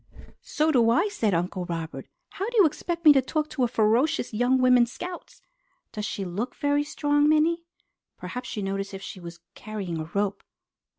"So do I!" said Uncle Robert. "How do you expect me to talk to ferocious young women Scouts? Does she look very strong, Minnie? Perhaps you noticed if she was carrying a rope?"